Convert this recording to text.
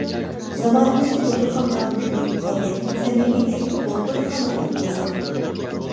زامانىمىزدىكى دوختۇرخانىلارمۇ كۆپىيىپ قالدى سەمىمىي تەكلىپ «دوختۇرخانا» قىلىپ يېزىڭ.